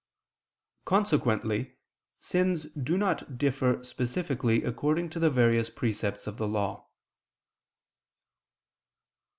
Consequently sins do not differ specifically according to the various precepts of the Law.